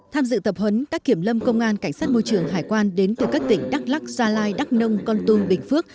tham dự tập huấn các kiểm lâm công an cảnh sát môi trường hải quan đến từ các tỉnh đắk lắc gia lai đắk nông con tung bình phước